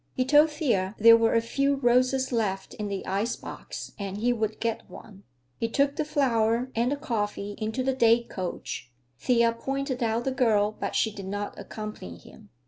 He told Thea there were a few roses left in the icebox and he would get one. He took the flower and the coffee into the day coach. Thea pointed out the girl, but she did not accompany him.